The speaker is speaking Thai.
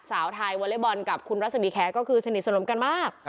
สาวไทยวอเล็กบอลกับคุณรัศมีแคร์ก็คือสนิทสนมกันมาก